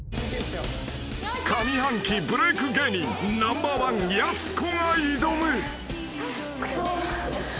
［上半期ブレーク芸人ナンバーワンやす子が挑む］